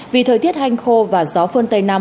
vì thời tiết hanh khô và gió phơn tây nam